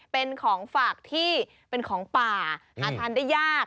เป็นของฝากที่เป็นของป่าหาทานได้ยาก